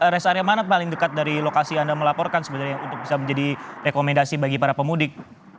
res area mana paling dekat dari lokasi anda melaporkan sebenarnya untuk bisa menjadi rekomendasi bagi para pemudik